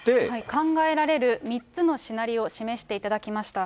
考えられる３つのシナリオ、示していただきました。